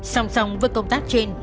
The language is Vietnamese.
xong xong với công tác trên